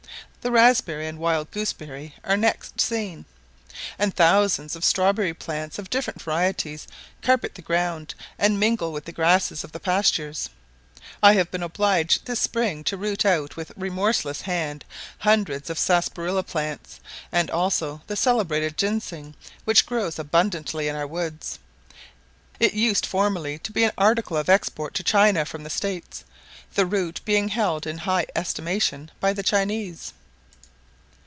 The raspberry and wild gooseberry are next seen, and thousands of strawberry plants of different varieties carpet the ground, and mingle with the grasses of the pastures. I have been obliged this spring to root out with remorseless hand hundreds of sarsaparilla plants, and also the celebrated gingseng, which grows abundantly in our woods: it used formerly to be an article of export to China from the States, the root being held in high estimation by the Chinese.